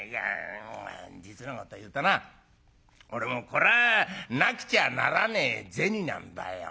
実のこと言うとな俺もこらぁなくちゃならねえ銭なんだよ。